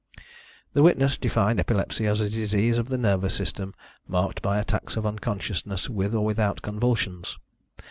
The witness defined epilepsy as a disease of the nervous system, marked by attacks of unconsciousness, with or without convulsions.